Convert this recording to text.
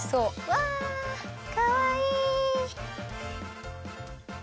わあかわいい。